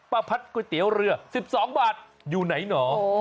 พัดก๋วยเตี๋ยวเรือ๑๒บาทอยู่ไหนหนอ